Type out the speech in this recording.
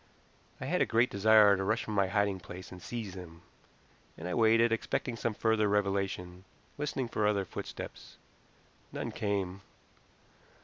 I had a great desire to rush from my hiding place and seize him, and I waited, expecting some further revelation, listening for other footsteps. None came.